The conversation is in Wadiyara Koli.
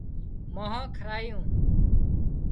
مانه کارايون